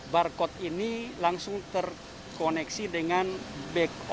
barcode ini langsung terkoneksi dengan back